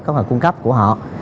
có thể cung cấp của họ